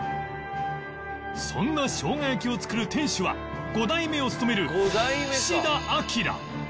そんな生姜焼きを作る店主は５代目を務める菱田アキラ